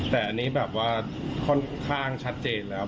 แต่อันนี้แบบว่าค่อนข้างชัดเจนแล้ว